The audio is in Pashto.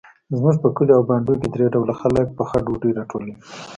زموږ په کلیو او بانډو کې درې ډوله خلک پخه ډوډۍ راټولوي.